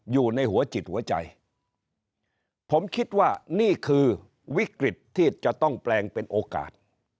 อยู่ในหัวจิตหัวใจผมคิดว่านี่คือวิกฤตที่จะต้องแปลงเป็นโอกาส